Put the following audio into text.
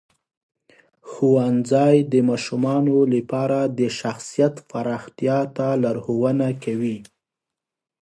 ښوونځی د ماشومانو لپاره د شخصیت پراختیا ته لارښوونه کوي.